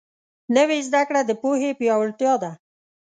نوې زده کړه د پوهې پیاوړتیا ده